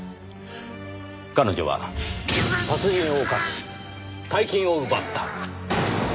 彼女は殺人を犯し大金を奪った。